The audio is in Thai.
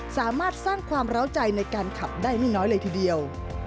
สามารถสร้างความร้าวใจในการขับได้ไม่น้อยเลยทีเดียว